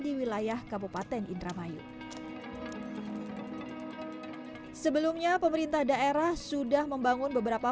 di wilayah kabupaten indramayu sebelumnya pemerintah daerah sudah membangun beberapa